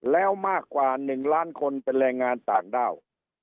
แล้วมากกว่า๑ล้านคนเป็นแรงงานต่างด้าว